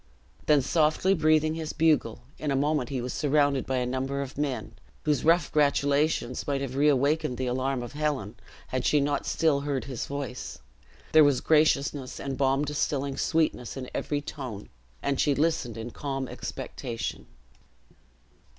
Then softly breathing his bugle, in a moment he was surrounded by a number of men, whose rough gratulations might have reawakened the alarm of Helen, had she not still heard his voice. There was graciousness and balm distilling sweetness in every tone; and she listened in calm expectation.